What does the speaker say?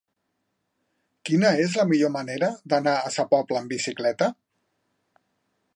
Quina és la millor manera d'anar a Sa Pobla amb bicicleta?